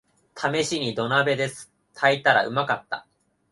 ためしに土鍋で炊いたらうまかった